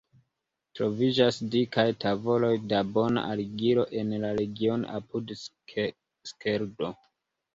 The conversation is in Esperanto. Troviĝas dikaj tavoloj da bona argilo en la regiono apud Skeldo.